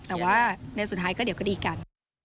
แต่ว่าในสุดท้ายก็เดี๋ยวก็ดีกัน